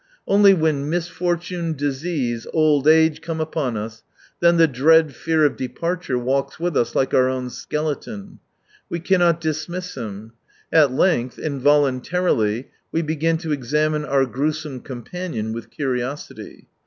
Only when misfortune, disease, old age come upon us, then the dread fear of departure walks with us like our own skeleton. We cannot dismiss him. At length, involuntarily, we begin to examine our gruesome companion with curiosity.